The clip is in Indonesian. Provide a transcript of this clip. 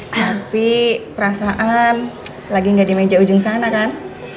tapi perasaan lagi nggak di meja ujung sana kan